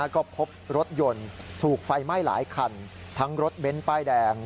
ก็พบรถยนต์ถูกไฟไหม้หลายคันทั้งรถเบ้นป้ายแดง